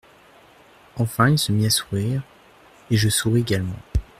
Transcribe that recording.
Enfin, il se mit à sourire, Et je souris également.